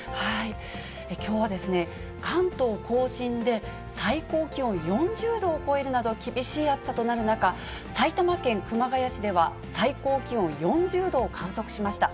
きょうは関東甲信で最高気温４０度を超えるなど、厳しい暑さとなる中、埼玉県熊谷市では最高気温４０度を観測しました。